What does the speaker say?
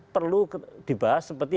perlu dibahas seperti